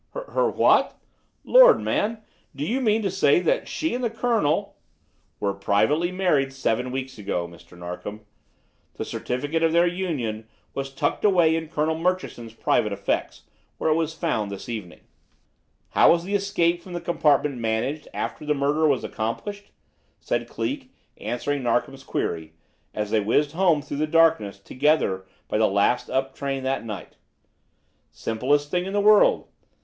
"Her what? Lord, man, do you mean to say that she and the colonel " "Were privately married seven weeks ago, Mr. Narkom. The certificate of their union was tucked away in Colonel Murchison's private effects, where it was found this evening." "How was the escape from the compartment managed after the murder was accomplished?" said Cleek, answering Narkom's query, as they whizzed home through the darkness together by the last up train that night. "Simplest thing in the world.